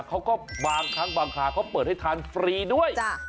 เขาก็บางครั้งบางคราเขาเปิดให้ทานฟรีด้วย